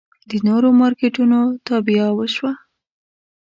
د نورو مارکېټونو تابیا وشوه.